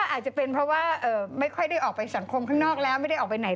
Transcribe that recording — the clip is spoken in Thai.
อาจจะเป็นเพราะว่าไม่ค่อยได้ออกไปสังคมข้างนอกแล้วไม่ได้ออกไปไหน